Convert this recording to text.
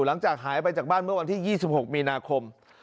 หลังจากหายไปจากบ้านเมื่อวันที่๒๖มีนาคม